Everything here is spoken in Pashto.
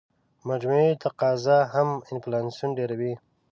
مجموعي تقاضا هم انفلاسیون ډېروي.